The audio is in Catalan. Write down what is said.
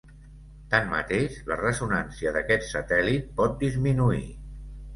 Tanmateix, la ressonància d'aquest satèl·lit pot disminuir.